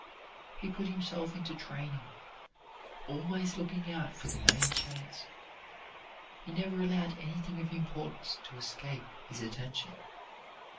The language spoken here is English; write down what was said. He put himself into training, always looking out for the main chance. He never allowed anything of importance to escape his attention.